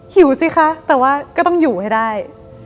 หิวสิคะแต่ว่าก็ต้องอยู่ให้ได้